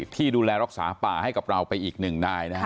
ที่ดูแลรักษาป่าให้กับเราไปอีกหนึ่งนายนะฮะ